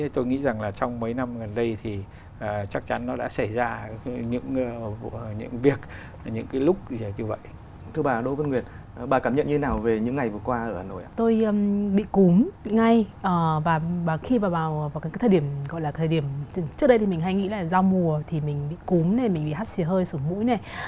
thì mình bị cúm này mình bị hắt xì hơi sủng mũi này